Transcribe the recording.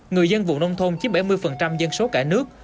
người dân vụ nông thôn chiếc bảy mươi dân số cả nước